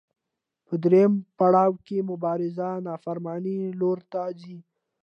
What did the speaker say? په درېیم پړاو کې مبارزه د نافرمانۍ لور ته ځي.